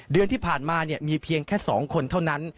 เดือนที่ผ่านมามีเพียงแค่๒คนเท่านั้น